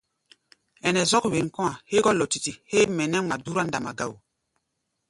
Ɛnɛ zɔ́k wen kɔ̧́-a̧ hégɔ́ lɔdidi héé mɛ nɛ́ ŋma dúrá ndamba ga wo.